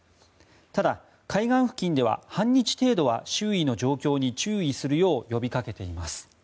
ただ、海岸付近では半日程度は周囲の状況に注意するよう呼びかけています。